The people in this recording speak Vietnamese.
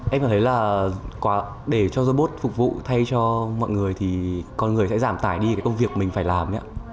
em cảm thấy là để cho robot phục vụ thay cho mọi người thì con người sẽ giảm tải đi công việc mình phải làm